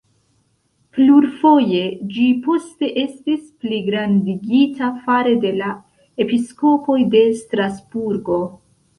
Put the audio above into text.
Plurfoje ĝi poste estis pligrandigita fare de la episkopoj de Strasburgo.